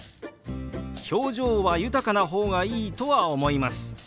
表情は豊かな方がいいとは思います。